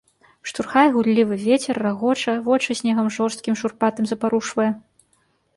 Штурхае гуллівы вецер, рагоча, вочы снегам жорсткім, шурпатым запарушвае.